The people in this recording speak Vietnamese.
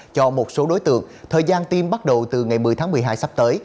cho một số đối tượng thời gian tim bắt đầu từ ngày một mươi tháng một mươi hai sắp tới